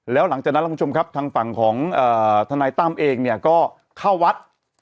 แล้วหลังจากนั้นทางฝั่งของทนายตั้มเองก็เข้าวัด